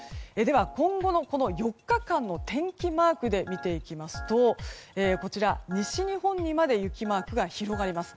今後の４日間の天気マークで見ていきますと西日本にまで雪マークが広がります。